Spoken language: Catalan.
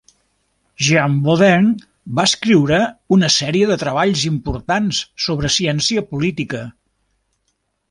Jean Bodin va escriure una sèrie de treballs importants sobre ciència política.